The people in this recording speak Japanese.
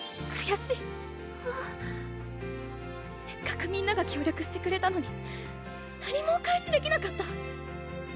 せっかくみんなが協力してくれたのに何もお返しできなかった。